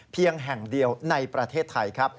แห่งเดียวในประเทศไทยครับ